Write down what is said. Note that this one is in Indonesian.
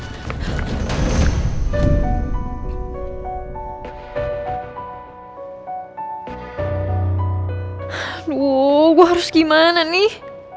aduh gua harus gimana nih